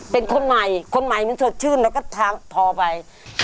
เป็นคนใหม่คนใหม่มันสดชื่นเราก็ท้องพอไป